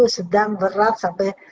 sedang berat sampai